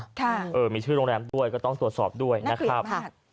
ถ้ามีชื่อโรงแรมก็ต้องตรวจสอบด้วยนะครับ